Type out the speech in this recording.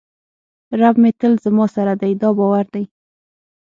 رب مې د تل لپاره زما سره دی دا باور دی.